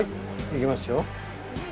いきますよ。